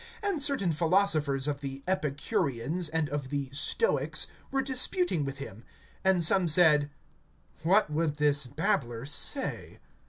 (18)And certain philosophers of the Epicureans, and of the Stoics, were disputing with him. And some said: What would this babbler say?